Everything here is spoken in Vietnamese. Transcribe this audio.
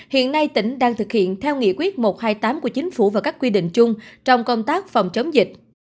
hiện nay tỉnh đang thực hiện theo nghị quyết một trăm hai mươi tám của chính phủ và các quy định chung trong công tác phòng chống dịch